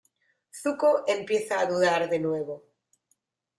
Zuko empieza a dudar de nuevo.